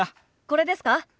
これですか？